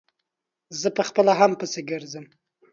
زه په خپله هم پسې ګرځم.